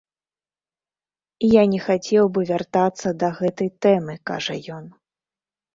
Я не хацеў бы вяртацца да гэтай тэмы, кажа ён.